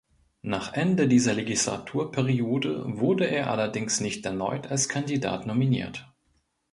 Nach Ende dieser Legislaturperiode wurde er allerdings nicht erneut als Kandidat nominiert.